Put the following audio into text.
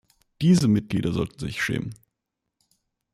Diese Mitglieder sollten sich schämen!